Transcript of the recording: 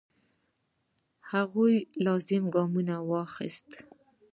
هغوی لازم ګام وانخیست.